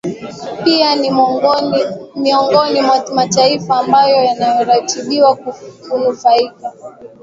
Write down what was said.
pia ni miongoni mwa mataifa ambayo yameratibiwa kunufaika